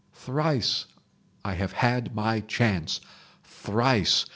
"Thrice I have had my chance—_thrice!